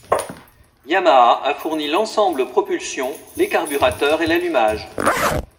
Yamaha a fourni l’ensemble propulsion, les carburateurs et l’allumage.